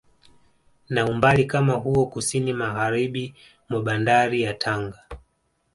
Na umbali kama huo kusini Magharibi mwa bandari ya Tanga